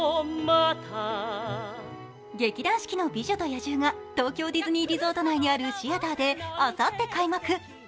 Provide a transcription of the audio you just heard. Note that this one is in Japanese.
劇団四季の「美女と野獣」が東京ディズニーリゾート内にあるシアターであさって開幕。